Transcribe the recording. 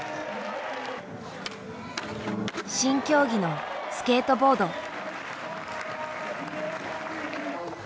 新競技のスケートボード。